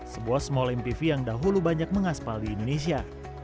sebuah small mpv yang dahulu banyak mengaspal di indonesia